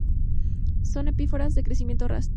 Son epífitas de crecimiento rastrero.